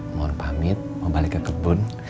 mohon pamit mau balik ke kebun